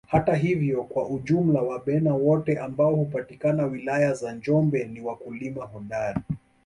Hata hivyo kwa ujumla Wabena wote ambao hupatikana wilaya za Njombe ni wakulima hodari